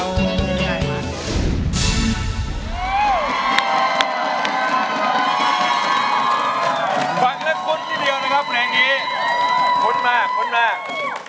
ความรักคุ้นนิดเดียวนะครับคุณแห่งนี้คุ้นมากคุ้นมาก